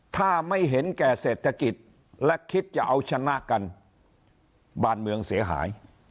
ถ้าไม่เห็นแก่เศรษฐกิจและคิดจะเอาชนะกันบ้านเมืองเสียหาย